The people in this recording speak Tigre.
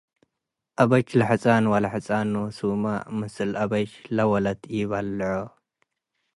አበች ለሕጻን ወለሕጻን ኖሱመ ምስል አበች ለወለት ኢበልዖ ።